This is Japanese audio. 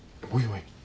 おいおい。